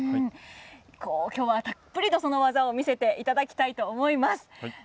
今日はたっぷりとその技を見せていただきたいと思います。